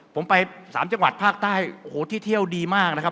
ผมไป๓จังหวัดภาคใต้โอ้โหที่เที่ยวดีมากนะครับ